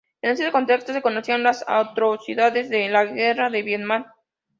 En ese contexto se conocían las atrocidades de la Guerra de Vietnam.